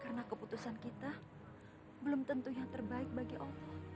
karena keputusan kita belum tentu yang terbaik bagi allah